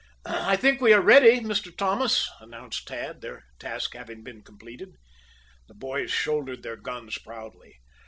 "I think we are ready, Mr. Thomas," announced Tad, their task having been completed. The boys shouldered their guns proudly.